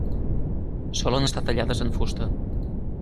Solen estar tallades en fusta.